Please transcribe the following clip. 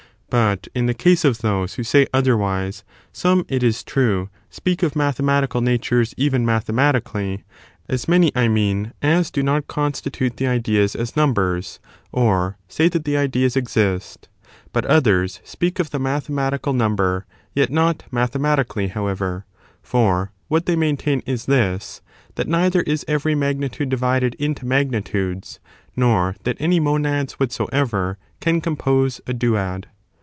But, in the case of those who ^'*'' say otherwise, some, it is true, speak of mathematical natures even mathematically — as many, I mean, as do not constitute the ideas as numbers, or say that the ideas exist ; but others speak of the mathematical number, yet not mathematically, however; for what they maintain is this, that neither is every magnitude divided into magnitudes, nor that any monads whatsoever can compose a duad.